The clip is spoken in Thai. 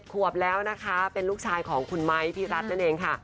ขวบแล้วนะคะเป็นลูกชายของคุณไม้พี่รัฐนั่นเองค่ะ